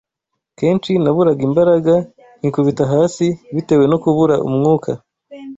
Kenshi naburaga imbaraga nkikubita hasi bitewe no kubura umwuka